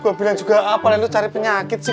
gue bilang juga apalagi lu cari penyakit sih